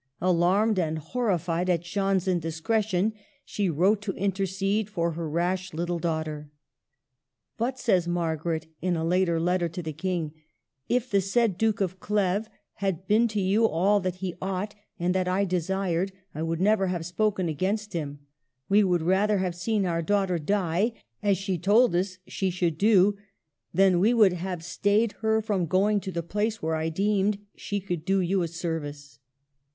Alarmed and horrified at Jeanne's indiscretion, she wrote to intercede for her rash little daughter. " But," says Margaret, in a later letter to the King, *' if the said Duke of Cleves had been to you all that he ought and that I desired, I would never have spoken against him ; we would rather have seen our daughter die, as she told us she should do, than we would have stayed her from going to the place where I deemed she could do you a service."